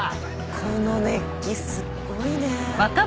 この熱気すごいねぇ。